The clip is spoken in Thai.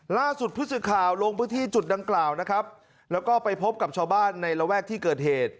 ล่าสุดผู้สื่อข่าวลงพื้นที่จุดดังกล่าวนะครับแล้วก็ไปพบกับชาวบ้านในระแวกที่เกิดเหตุ